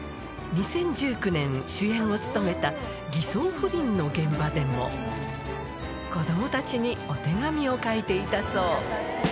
２０１９年、主演を務めた偽装不倫の現場でも、子どもたちにお手紙を書いていたそう。